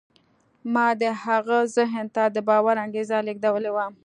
ما د هغه ذهن ته د باور انګېزه لېږدولې وه.